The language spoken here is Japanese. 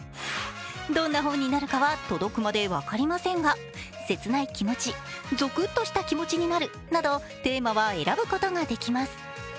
どんな本になるかは届くまで分かりませんが切ない気持ち、ゾクッとした気持ちになるなどテーマは選ぶことができます。